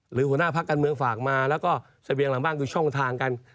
หัวหน้าพักการเมืองฝากมาแล้วก็เสบียงหลังบ้านคือช่องทางกัน